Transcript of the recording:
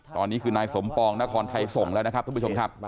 ตอนนี้คือนายสมปองนครไทยส่งแล้วนะครับท่านผู้ชมครับ